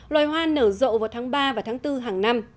loài hoa nở rộ vào tháng ba và tháng bốn hàng năm